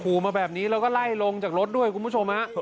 มาแบบนี้แล้วก็ไล่ลงจากรถด้วยคุณผู้ชมฮะ